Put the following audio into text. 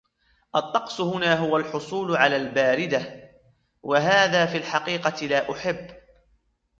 الطقس هنا هو الحصول على الباردة ، وهذا في الحقيقة لا أحب.